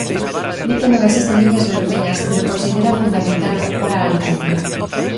Di que non existen liñas vermellas pero considera fundamental ocupar a alcaldía.